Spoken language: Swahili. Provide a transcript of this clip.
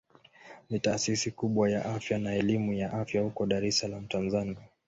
Ni taasisi kubwa ya afya na elimu ya afya huko Dar es Salaam Tanzania.